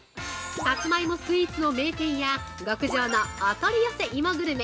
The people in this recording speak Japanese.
さつまいもスイーツの名店や極上のお取り寄せ芋グルメ